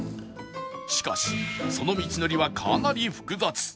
しかしその道のりはかなり複雑